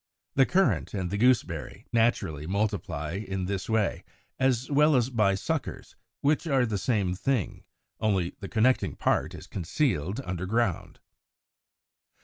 The Currant and the Gooseberry naturally multiply in this way, as well as by suckers (which are the same thing, only the connecting part is concealed under ground).